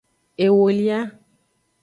Ewolia.